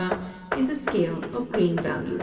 is a scale of green values.